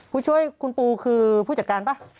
ผู้ช่วยคุณปูคือผู้จัดการป่ะ